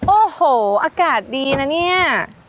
โอ้โหอากาศดีนะเนี่ย